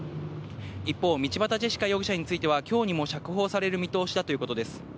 一方、道端ジェシカ容疑者については、きょうにも釈放される見通しだということです。